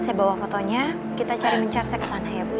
saya bawa fotonya kita cari mencar saya ke sana ya bu